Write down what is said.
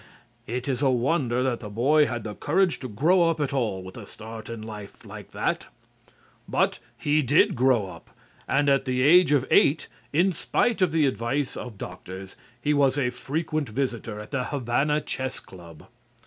It is a wonder that the boy had the courage to grow up at all with a start in life like that. But he did grow up, and at the age of eight, in spite of the advice of doctors, he was a frequent visitor at the Havana Chess Club.